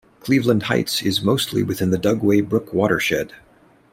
Cleveland Heights is mostly within the Dugway Brook Watershed.